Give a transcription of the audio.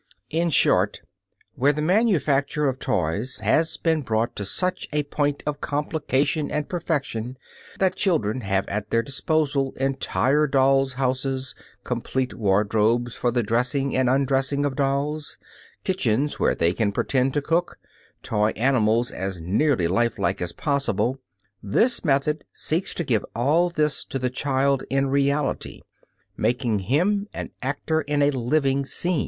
In short, where the manufacture of toys has been brought to such a point of complication and perfection that children have at their disposal entire dolls' houses, complete wardrobes for the dressing and undressing of dolls, kitchens where they can pretend to cook, toy animals as nearly lifelike as possible, this method seeks to give all this to the child in reality making him an actor in a living scene.